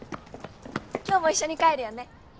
今日も一緒に帰るよね？